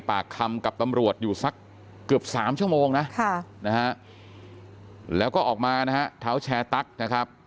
ปากคำกับตำรวจอยู่สักเกือบ๓ชั่วโมงนะแล้วก็ออกมานะฮะเท้าแชร์ตั๊กนะครับ